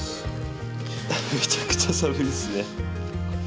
・めちゃくちゃ寒いっすね。